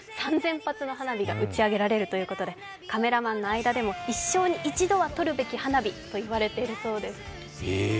３０００発の花火が打ち上げられるということで、カメラマンの間でも一生に一度は撮るべき花火と言われているそうです。